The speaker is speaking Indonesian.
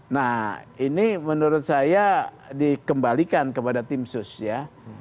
nah ini menurut saya dikembalikan kepada tim sus ya